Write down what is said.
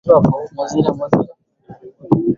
wakielekea katika mkutano unaoendelea sasa hivi